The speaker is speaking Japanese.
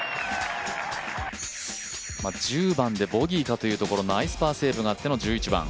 １０番でボギーかというところでナイスパーセーブがあっての１１番。